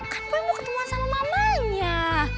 kan boy mau ketemuan sama mamanya